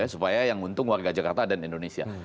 supaya yang untung warga jakarta dan indonesia